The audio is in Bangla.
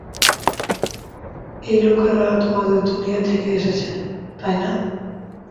এই লোকেরা তোমাদের দুনিয়া থেকে এসেছে, তাই না।